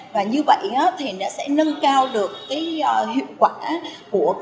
và như vậy thì nó sẽ nâng cao được cái hiệu quả của cái quá trình sản xuất của mình